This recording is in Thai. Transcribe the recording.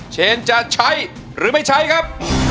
เชนจะใช้หรือไม่ใช้ครับ